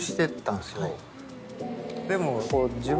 でも。